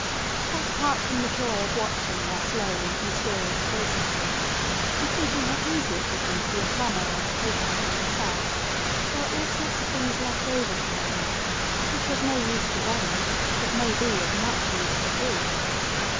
Quite apart from the joy of watching their slow and mysterious processes, and thinking how easy it would be to be a plumber or a paperhanger yourself, there are all sorts of things left over from their work which are of no use to them, but may be of much use to you.